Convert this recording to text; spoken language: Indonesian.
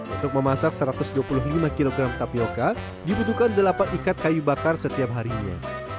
untuk memasak satu ratus dua puluh lima kg tapioca dibutuhkan delapan ikat kayu bakar setiap harinya